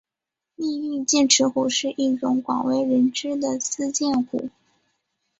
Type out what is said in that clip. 命运剑齿虎是一种广为人知的斯剑虎。